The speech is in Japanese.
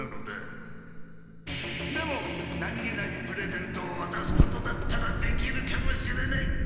でも何気なくプレゼントをわたすことだったらできるかもしれない！